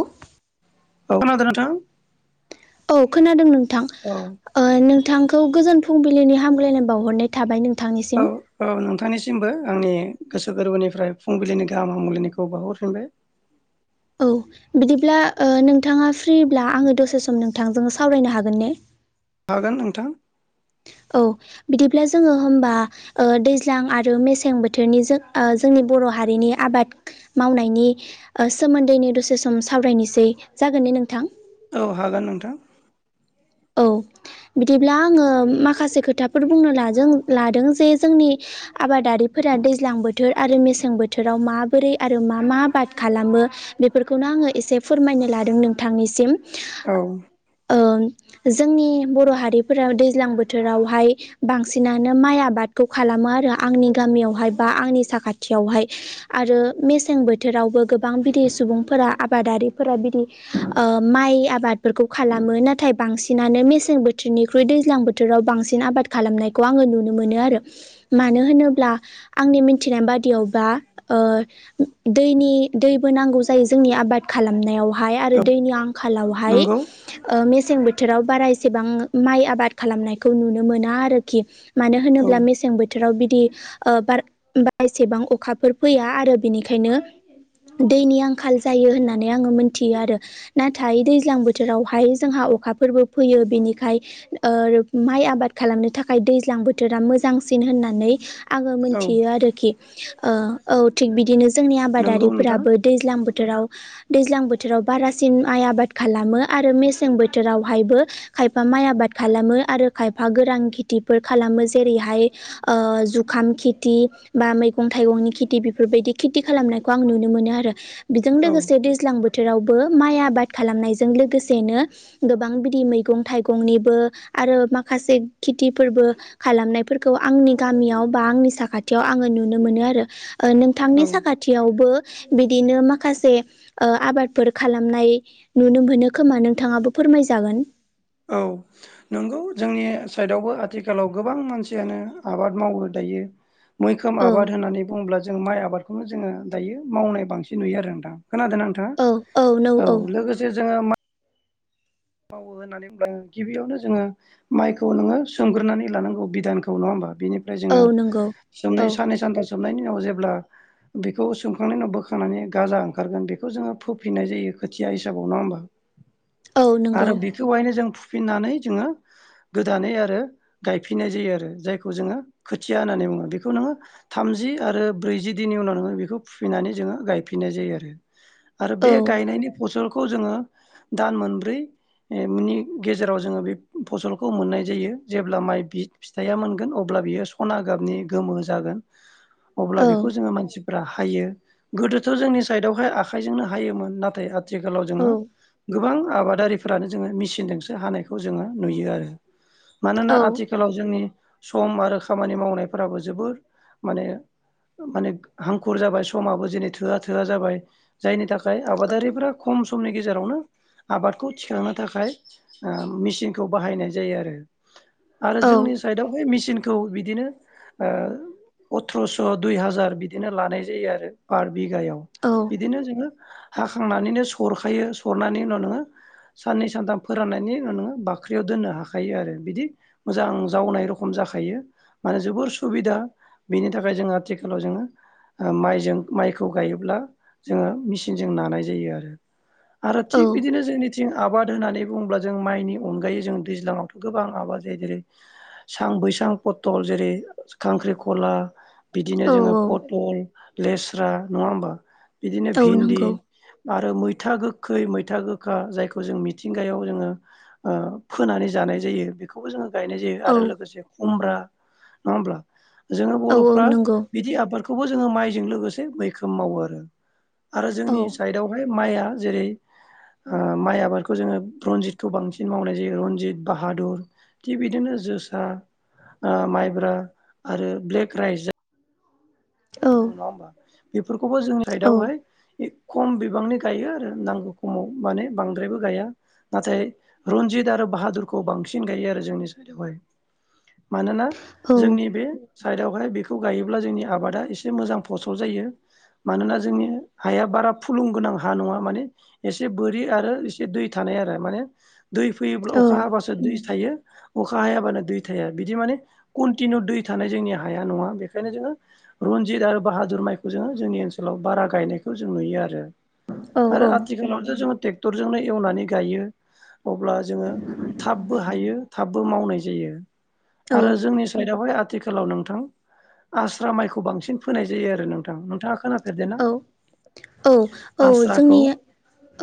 औेव औव खोनादोंना नोंथां? औव खोनादों नोंथां औ ओ नोंथांखौ गोजोन फुंबिलिनि हामलायनाय बावहरनाय थाबाय नङा औव औव नं थांनि सिमबो आंनि गोसो गोरबोनिफ्राय फुंबिलिनि गाहाम हामलनायखौ बहरफिनबाय। औव बिदिब्ला ओ नोंथाङा फ्रिब्ला आङो दसे सम नोंथांजों सावरायनो हागोन ने। हागोन नोंथां। [unintelligible] औव बिदिब्ला जोङो होमबा ओ दैज्लां आरो मेसें बोथोरनि जों ओ जोंनि बर' बर हारिनि आबाद मावनायनि ओ सोमोन्दैनो दसे सम सावरायनोसै जागोन ने नोंथां। औव हागोन नोंथां। औव बिदिब्ला आङो माखासे खोथाफोर बुंनो लाजों लादों जे जोंनि आबादारि फोरा दैज्लां बोथोर आरो मेसें बोथोराव माबोरै आरो मा मा आबाद खालामो बेफोरखौनो आं ङो एसे फोरमायनो लादों नोंथांनिसिम ।। औ जोंनि बर' हारिफोरा दैज्लां बोथोरावहाय बांसिनानो माइ आबादखौ खाला मो आरो आंनि गामियावहाय बा आंनि साखाथियावहाय आरो मेसें बोथोरावबो गोबां। बिदि सुबुंफोरा आबादारिफोरा बिदि ओ माइ आबादफोरखौ खालामो नाथाय। बांसिनानो मेसें बोथोरनिख्रुइ दैज्लां बोथोराव बांसिन आबाद खालामनायखौ आङो नुनो मोनो आरो। मानो होनोब्ला आंनि मिथिनाय बादियावबा ओ दैनि दै बो नांगौ जायो आबाद खालामनायावहाय आरो औ दैनि आंखालावहाय नंगौ ओ मेसें बो थोराव बाराएसेबां माइ आबाद खालामनायखौ नुनो मोना आरोखि मानो औ होनोब्ला मेसें बोथो राव बिदि ओ बार बारा एसेबां अखाफोर फैया आरो बिनिखायनो दैनि आंखाल जायो होननानै आङो मोनथियो आरो नाथाय दैज्लां बोथोरावहाय जोंहा अखा फोरबो फैयो बेनिखाय ओ माइ आबाद खालामनो थाखाय दैज्लां बोथोरा मोजांसिन होन नानै आङो औ मोनथियो आरोखि ओ औ थिग बिदिनो जोंनि नंगौ नोंथां आबादारिफोराबो दैज्लां बोथोराव दैज्लां बोथोराव बारासिन माइ आबाद खालामो आरो मेसें बोथोराव हायबो खायफा माइ आबाद खालामो आरो खायफा गोरां खेथिफोर खालामो जेरैहाय ओ जुखाम खिथि बा मैगं थाइगंनि खेथि बेफोरबायदि खेथि खालामनायखौ आं नुनो मोनो आरो बेजों औ लोगोसे दैज्लां बोथोरावबो माइ आबाद खालामनायजों लोगोसेनो गोबां बिदि मैगं थाइगंनिबो आरो माखासे खिथिफोरबो खालामनायफोरखौ आंनि गामियाव बा आंनि साखाथियाव आङो नुनो मोनो आरो ओ नोंथांनि औ साखाथियावबो बिदिनो माखासे ओ आबादफोर खालामनाय नुनो मोनो खोमा नोंथाङाबो फोरमायजागोन औ नंगौ जोंनि साइदआवबो आथिखालाव गोबां मानसियानो आबाद मावो दा यो मैखोम औ आबाद होननानै बुङोब्ला जों माइ आबादखौनो जोङो दायो मावनाय बांसिन नुयो आरो नोंथां खोनादोना औ औ नौ नोंथाङा औ लोगोसे जोङो मा मावो होननानै होनब्ला गिबियावनो जोङो माइखौ नोङो सोमग्रोनानै लानांगौ बिधानखौ नङा होमबा बेनिफ्राय औ जोङो नंगौ औ सोमनाय साननै सानथाम सोमनायनि उनाव जेब्ला बेखौ सोमखांनायनि उनाव बोखांनानै गाजा ओंखारगोन बेखौ जोङो फोफिननाय जायो खोथिया हिसाबाव नङा होमबा? [inaudible] नंगौ आरो बेखौहायनो जों फु फिननानै जोङो गोदानै आरो गायफिननाय जायो आरो जायखौ जोङो खोथिया होननानै बुङो बेखौ नोङो थामजि आरो ब्रैजि दिननि उनाव नोङो बेखौ फुफिननानै जोङो गायफिननाय जायो आरो आरो औ बे गायनायनि फसलखौ जोङो दान मोनब्रै नि गेजेराव जोङो बे फसलखौ मोननाय जायो जेब्ला माइ बि फिथाइया मोनगोन अब्ला बियो सना गाबनि गोमो जागोन अब्ला औ बेखौ जोङो मानसिफ्रा हायो गोदोथ' जोंनि साइडआवहाय आखाइजोंनो हायोमोन नाथाय आथिखालाव जोङो औ गोबां आबादारि फोरानो जोङो मेसिनजोंसो हानायखौ जोङो नुयो आरो औ मानोना आथिखालाव जोंनि सम आरो खामानि मावनायफोराबो जोबोर माने माने हांखुर जाबाय समाबो जेनै थोआ थोआ जाबाय जायनि थाखाय आबादारिफोरा खम समनि गेजेरावनो आबादखौ थिखांनो थाखाय ओ मेसिनखौ बाहायनाय जायो आरो आरो जोंनि औ साइदआवहाय मेसिनखौ बिदिनो ओ अथ्र'स' दुइ हाजार बिदिनो लानाय जायो आरो पार बिगायाव औ बिदिनो जोङो हाखांनानैनो सरखायो सरनानै उनाव नोङो साननै सानथाम फोराननायनि उनाव नोङो बाख्रियाव दोननो हाखायो आरो बिदि मोजां जावनाय रखम जाखा थायो मानो जोबोर सुबिदा बेनि थाखाय जोङ आथिखालाव जोङो आ माइजों माइखौ गायोब्ला जोङो मेचिनजों नानाय जायो आरो आरो औ थिग बिदिनो जोंनि आबाद होननानै बुङोब्ला जों माइनि अनगायै जों दैज्लाङावथ' गोबां आबाद जायो जेरै सां बैसां पथल जेरै खांख्रिखला बिदिनो औ जोङो पथल लेस्रा नङा होमबा बिदिनो औ भिन्दि नंगौ आरो मैथा गोखै मैथा गोखा जाय खौ मिथिंगायाव जोङो ओ फोनानै जानाय जायो बेखौबो जों गायनाय जायो औ आरो लोगोसे खमब्रा नंङा होमब्ला जों औ औ बर'फोरा नंगौ बिदि आबादखो खौबो जोङो माइजों लोगोसे मैखोम मावो आरो आरो औ जोंनि साइडआवहाय माइआ जेरै आ माइआ आबादखौ जोङो रनजितखौ बांसिन मावनाय जायो रनजित बाहादुर थिग बिदिनो जोसा ओ माइब्रा आरो ब्लेक राइस औ जायखौ बुङो नङा होमबा बेफोरखौबो जोंनि औ साइदआवहाय खम बिबांनि गायो आरो नांगौ खमाव माने बांद्रायबो गया नाथाय रनजित आरो बाहादुरखौ बांसिन गायो आरो जोंनि साइडआवहाय मानोना औ जोंनि बे साइडआवहाय खौ गायोब्ला जोंनि आबादा एसे एसे मोजां फसल जायो मानोना जोंनि हाया बारा फुलुं गोनां हा नङा माने एसे बोरि आरो एसे दै थानाय आरो माने दै फैयोब्ला अखा हाबासो दै थायो । अखा हायाबानो दै थाया बिदि माने कन्टिनिउ दै थानाय जोंनि हाया नङा बेखायनो जोङो रनजित आरो बाहादुर माइखौ जोङो जोंनि ओनसोलाव बारा गायनायखौ जों नुयो आरो आरो आथिखालावथ' जोङो ट्रेक्टरजोंनो एवनानै गायो। अब्ला जोङो थाबबो हायो थाबबो मावनाय जायो । आरो जोंनि साइदआवहाय आथिखालाव नोंथां आस्रा माइ खौ बांसिन फोनाय जायो आरो नोंथां नोंथाङा खोनाफेरदों ना औ औ औ जोंनि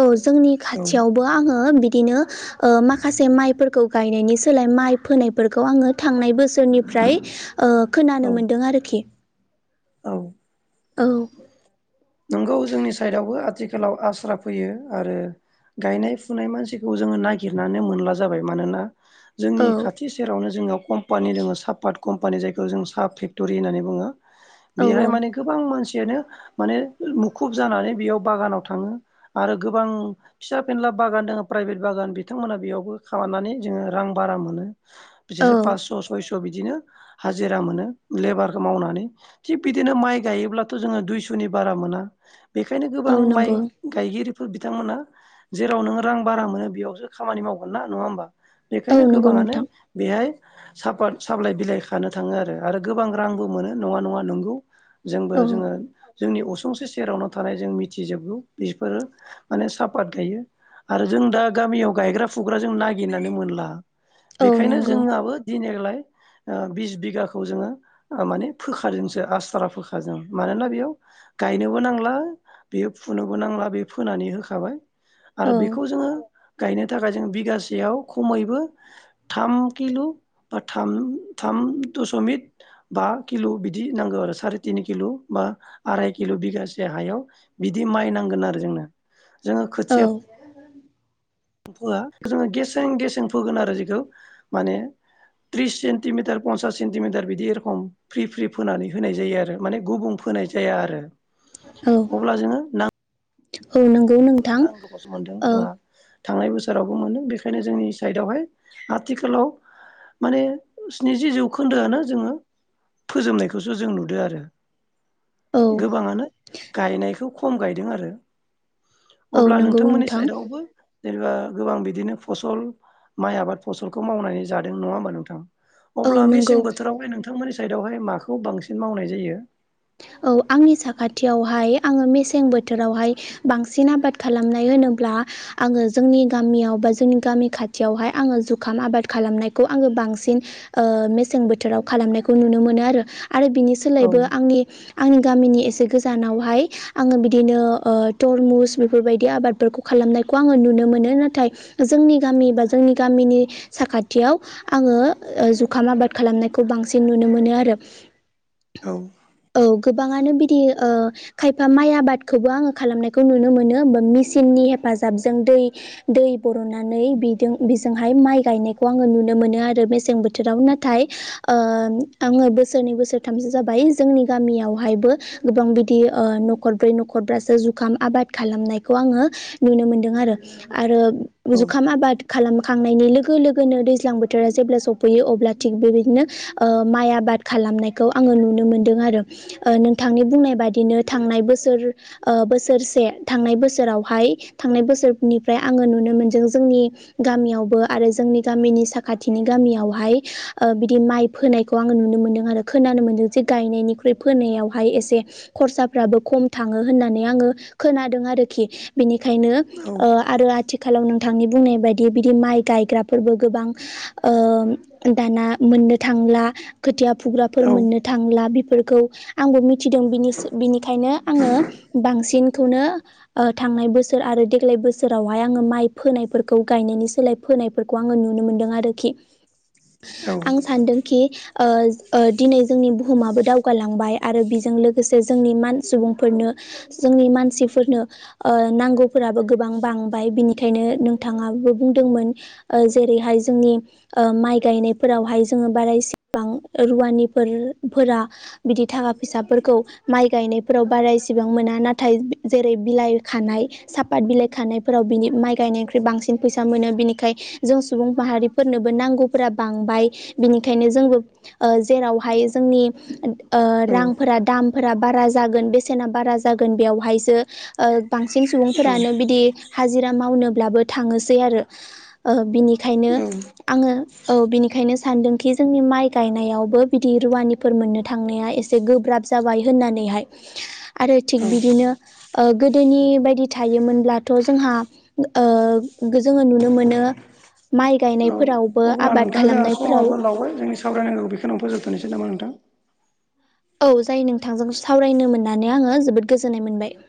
औ जोंनि औ खाथियावबो आङो बि बिदिनो ओ माखासे माइफोरखौ गायनायनि सोलाय माइ फोनायफोरखौ आङो थांनाय बोसोरनिफ्राय ओ औ खोनानो मोन्दों आरोखि औ। औ। नंगौ जोंनि साइडआवबो आथिखालाव आस्रा फैयो आरो गायनाय फुनाय मानसिखौ जोङो नागिरनानै मोनला जाबाय मानोना औ जोंनि खाथि सेरावनो जोंनाव खम कपानि दङो साफार कमफानि जायखौ जोङो जों सा पेक्टरि होननानै बुङो औ बेहाय गोबां मानसि यानो माने मुखुब जानानै बेयाव बागानाव थाङो आरो गोबां फिसा फेनला बागान दङ प्राइभेट बागान बागान बिथांमोना बेयावबो खनानै जोङो रां बारा मोनो औ बिसोसो फासस' सयस' बिदिनो हाजिरा मानो लेभार मावनानै थिख बिदिनो माइ गायोब्लाथ' जोङो दुइसनि बारा मोना बेखायनो गोबां औ माइ नंगौ गायगिरि बिथांमोना जेराव नोङो रां बारा मोनो बेयावसो खामानि मावगोन ना नङा होमबा औ बेखायनो नंगौ गोबाङानो नोंथां बेहाय साफार साफ्लाय बिलाइ खानो थाङो आरो आरो गोबां रांबो मोनो नङा नङा नंगौ जोंबो औ जोङो जोंनि असे फुंसे सेरावनो थानाय जों मिथिजोबगौ बेफोरो माने साफात गायो आरो जों दा गामियाव गायग्रा फुग्रा जों नागिरनानै मोनला औ बेखायनो नंगौ जोंहाबो दिनैग्लाय बिस बिघाखौ जोङो माने फोखाजोंसो आसथारा फोखाजों मानोना बेयाव गायनोबो नांला बेयो फुनोबो नांला बे फोनानै होखाबाय । आरो औ बेखौ जोङो गायनो थाखाय जों बिगासेयाव खमैबो थाम किलु बा थाम थाम दस'मिक बा किलु' बिदि नांगौ आरो सारि तिन किलु' बा आराय किलु' बिगासे हायाव बिदि माइ नांगोन आरो जोंनो जोङो औ खोथिया फोआ जोङो गेसें -गेसें फोगोन आरो जिखौ माने ट्रिस सेन्टिमिटार पनसास सेन्टिमिटार बिदि एरखम फ्रि- फ्रि फोनानै होनाय जायो आरो माने गुबुं होनाय जाया आरो औ अब्ला जोङो नां औ नं‌ नांगोबासोमोन्दों जोंआ थांनाय बोसोरावबो मोनो बेखायनो जोंनि साइडआवहाय आथिखालाव माने स्निजि जौखोन्दोआनो जोङो फोजोबनायखौसो जों नुदो आरो। औ गोबाङानो गायनायखौ खम गायदों आरो। औ अब्ला नंगौ नोंथांमोननि नोंथां साइडआवबो जेनेबा गोबां बिदिनो फसल माइ आबाद फसलखौ मावनानै जादों नङा होमबा नोंथां। औ अब्ला नंगौ मेसें बोथोरावहाय नोंथांमोननि साइदावहाय माखौ बांसिन मावनाय जायो। [unintelligible] औ आंनि साखाथियावहाय आङो मेसें बोथोरावहाय बांसिन आबाद खालामनाय होनोब्ला आङो जोंनि गामियाव बा जोंनि गामि खाथियावहाय आङो जुखाम आबाद खालामनायखौ आङो बां सिन ओ मेसें बोथोराव खालामनायखौ नुनो मोनो आरो आरो बिनि सोलायबो औ-औ-औ-औ-औ-औ-औ-औ-औ-औ आंनि आंनि गामिनि एसे गोजानावहाय आङो बिदिनो ओ तरमुस बेफोरबायदि आबादफोरखौ खालामनायखौ आङो नुनो मोनो नाथाय जोंनि गामि बा जोंनि गामिनि साखाथियाव आ आङो जुखाम आबाद खालामनायखौ बांसिन नुनो मोनो आरो। औ गोबाङानो बिदि ओ खायफा माइ आबादखोबो आङो खालामनायखौ नुनो मोनो मिसिननि हेफाजाबजों दै दै बर'ननानै बेदों बिजोंहाय माइ गायनायखौ आङो नुनो मोनो। आरो मेसें बोथोराव नाथाय ओ आङो बोसोरनै बोसोरथामसो जाबाय जोंनि गामियावहायबो गोबां बिदि ओ न'खरब्रै न'खरबासो जुखाम आबाद खालामनायखौ आङो नुनो मोन्दों आरो जुखाम आबाद खालाम खांनायनि लोगो लोगोनो दैज्लां बोथोरा जेब्ला सफैयो अब्ला थिग बेबायदिनो ओमाइ आबाद खालाम नायखौ आङो नुनो मोन दों आरो नोंथांनि बुंनाय बादिनो थांनाय बोसोर ओ बोसोरसे थांनाय बोसोर फोरावहाय थांनाय बोसोरनिफ्राय आङो नुनो मोनदों जोंनि गामियावबो आरो जोंनि गामिनि साखाथिनि गामियावहाय ओ बिदि माइ फोनायनायखौ आङो नुनो मोनदों आरो खोनानो मोनदों जे गायनायनिख्रुइ फोनावहाय एसे खरसाफ्राबो खम थाङो होननानै आङो खोनादों आरो। बिनिखायनो ओ आरो आथि खालाव नोंथांनि बुंनाय बायदि बिदि माइ गायग्राफोरबो गोबां ओ दाना मोननो थांला खोथिया फुग्राफोर मोननो थांला बेफोरखौ आंबो मिथिदों बिनिसो बिनिखायनो आङो बांसिनखौनो ओ थांनाय बोसोर आरो देग्लाय बोसोरावहाय आङो माइ फोनाय फोरखौ गायनायनि सोलाय फोनायफोरखौ आङो नुनो मोनदों आरोखि। आं सानदोंखि ओ ओ दिनै जोंनि बुहुमाबो दावगालांबाय आरो बिजों लोगोसे जोंनि मान सुबुंफोरनो जोंनि मानसि फोरनो ओ नांगौफोराबो गोबां बांबाय बिनिखायनो नोंथाङाबो बुंदोंमोन ओ जेरैहाय जोंनि ओ माइ गायनायफोरावहाय जोङो बाराइसिबां रुवानि फोर फोरा बिदि थाखा फैसाफोरखौ माइ गायनायफोराव बारा इसेबां मोना नाथाय जेरै बिलाइ खानाय सापात बिलाइ खानायफोराव बिनि माइ गायनायनिख्रुइ बांसिन फैसा मोनो बिनिखाय जों सुबुं माहारिफोरनोबो नांगौफोरा बांबाय बिनिखायनो जोंबो ओ जेराव हाय जोंनि ओ रांफोरा दाम फोरा बारा जागोन बेसेना बारा जागोन बेयावहायसो ओ बांसिन सुबुंफोरानो बिदि हाजिरा मावनो लाबो थाङोसै आरो ओ बिनिखायनो आङो औ बिनिखायनो सानदोंखि जोंनि माइ गायनायावबो बिदि रुवानिफोर मोननो थांनाया एसे गोब्राब जाबाय होननानैहाय आरो थिग बिदिनो ओ गोदोनि बायदि थायोमोनब्लाथ' जोंहा ओ जोङो नुनो मोनो माइ गायनायफोराव अब्ला नोंथां जोंहा समाबो लावबाय जोंनि सावरायनांगौ बेखिनियावनो फोजोबथ'नोसै नामा नोंथां। औ जायो नोंथांजों सावरायनो मोननानै आङो जोबोद गोजोननाय मोनबाय।